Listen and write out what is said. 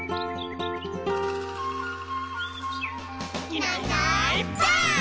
「いないいないばあっ！」